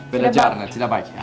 belajar tidak baik